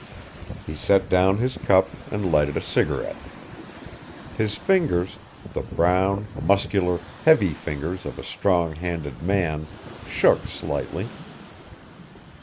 He set down his cup and lighted a cigarette. His fingers, the brown, muscular, heavy fingers of a strong handed man, shook slightly.